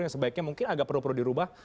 yang sebaiknya mungkin agak perlu perlu dirubah